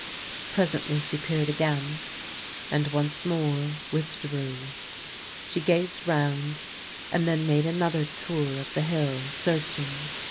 Presently she peered again, and once more withdrew. She gazed round, and then made another tour of the hill, searching.